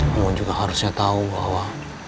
pengunjung juga harusnya tahu bahwa